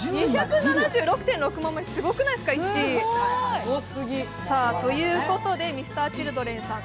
２７６．６万枚、すごくないですか、１位。ということでＭｒ．Ｃｈｉｌｄｒｅｎさん